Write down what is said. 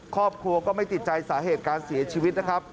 ครอบครัวก็ไม่ติดใจสาเหตุการเสียชีวิตนะครับ